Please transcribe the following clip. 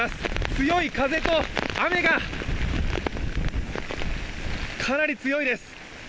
強い風と雨が、かなり強いです。